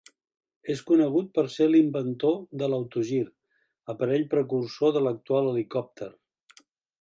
És conegut per ser l'inventor de l'autogir, aparell precursor de l'actual helicòpter.